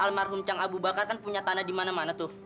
almarhum cang abu bakar kan punya tanah di mana mana tuh